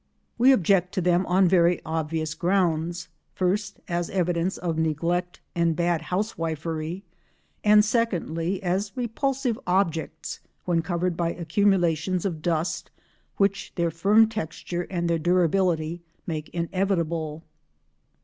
We object to them on very obvious grounds, first as evidence of neglect and bad housewifery, and secondly as repulsive objects when covered by accumulations of dust which their firm texture and their durability make inevitable.